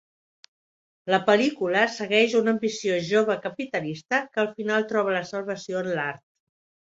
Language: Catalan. La pel·lícula segueix un ambiciós jove capitalista que al final troba la salvació en l'art.